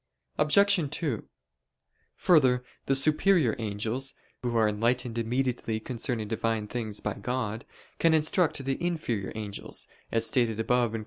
Obj. 2: Further, the superior angels, who are enlightened immediately concerning Divine things by God, can instruct the inferior angels, as stated above (Q.